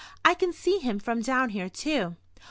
I can see him from down here, too."